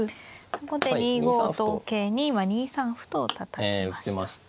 ここで２五同桂に今２三歩とたたきました。